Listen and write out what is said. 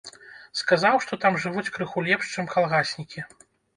Сказаў, што там жывуць крыху лепш, чым калгаснікі.